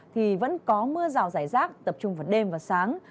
thì vẫn có mưa rào rải rác tập trung vào đêm và sáng